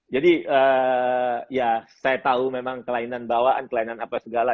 ya saya tahu memang kelainan bawaan kelainan apa segala